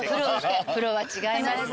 プロは違いますね。